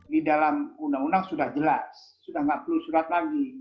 di dalam undang undang sudah jelas sudah tidak perlu surat lagi